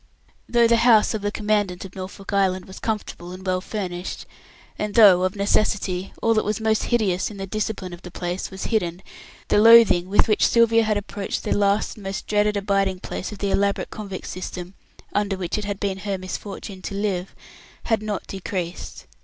Though the house of the Commandant of Norfolk Island was comfortable and well furnished, and though, of necessity, all that was most hideous in the "discipline" of the place was hidden, the loathing with which Sylvia had approached the last and most dreaded abiding place of the elaborate convict system, under which it had been her misfortune to live, had not decreased.